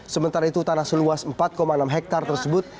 sementara itu tanah seluas empat enam hektare tersebut